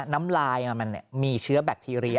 น้ำลายมันมีเชื้อแบคทีเรีย